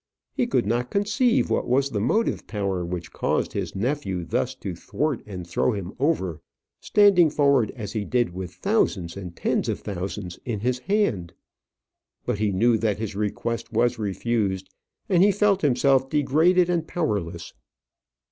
He could not conceive what was the motive power which caused his nephew thus to thwart and throw him over, standing forward as he did with thousands and tens of thousands in his hand. But he knew that his request was refused, and he felt himself degraded and powerless.